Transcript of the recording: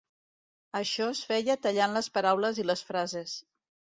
Això es feia tallant les paraules i les frases.